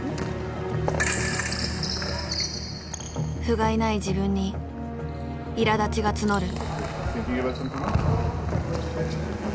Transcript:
ふがいない自分にいらだちが募る。